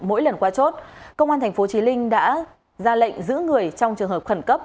mỗi lần qua chốt công an tp chí linh đã ra lệnh giữ người trong trường hợp khẩn cấp